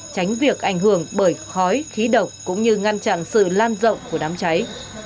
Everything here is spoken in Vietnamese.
tránh việc ảnh hưởng bởi khói khí độc cũng như ngăn chặn sự lan rộng của đám cháy